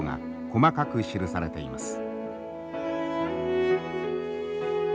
細かく記されています。